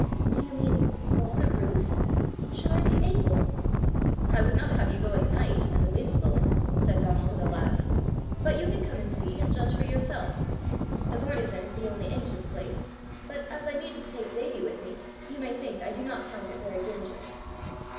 "Do you mean, go on the roof? Should I be able?" "I would not have you go in the night, and the wind blowing," said Donal with a laugh; "but you can come and see, and judge for yourself. The bartizan is the only anxious place, but as I mean to take Davie with me, you may think I do not count it very dangerous!"